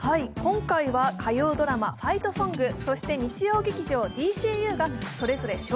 今回は火曜ドラマ「ファイトソング」そして日曜劇場「ＤＣＵ」がそれぞれ